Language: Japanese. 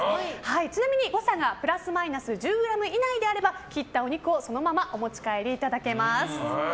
ちなみに誤差がプラスマイナス１０ｇ以内であれば、切ったお肉をそのままお持ち帰りいただけます。